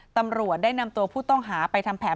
ตำรวจได้นำตัวผู้ต้องหาไปทำแผน